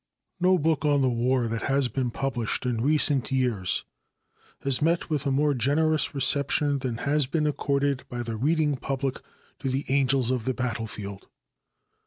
No book on the war, that has been published in recent years, has met with a more generous reception than has been accorded by the reading public to the "Angels of the Battlefield."